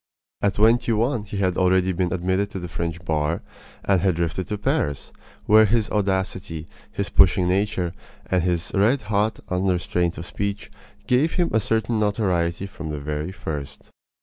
At twenty one he had already been admitted to the French bar, and had drifted to Paris, where his audacity, his pushing nature, and his red hot un restraint of speech gave him a certain notoriety from the very first.